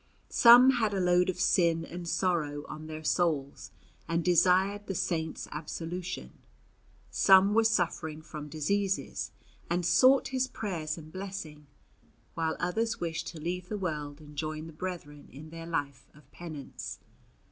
Some had a load of sin and sorrow on their souls, and desired the Saint's absolution; some were suffering from diseases, and sought his prayers and blessing; while others wished to leave the world and join the brethren in their life of penance.